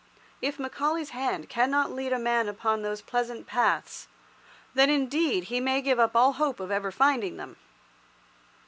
If Macaulay's hand cannot lead a man upon those pleasant paths, then, indeed, he may give up all hope of ever finding them.